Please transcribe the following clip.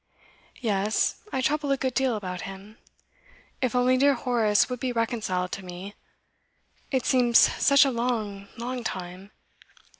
'Yes, I trouble a good deal about him. If only dear Horace would be reconciled to me. It seems such a long, long time.